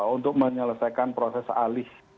untuk menyelesaikan proses alih